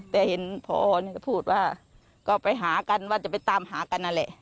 แต่เห็นพอก็พูดว่าก็ไปหากันว่าจะไปตามหากันนั่นแหละ